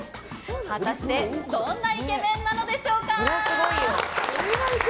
果たしてどんなイケメンなんでしょうか。